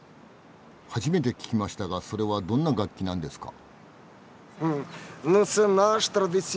初めて聞きましたがそれはどんな楽器なんですか？